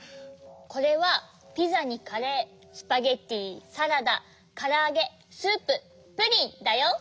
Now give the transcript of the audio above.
これはピザにカレースパゲッティサラダからあげスーププリンだよ。